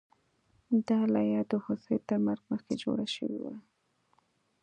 دا لایه د هوسۍ تر مرګ مخکې جوړه شوې وه